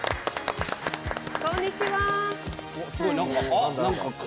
こんにちは！